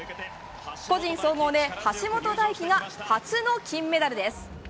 個人総合で橋本大輝が初の金メダルです。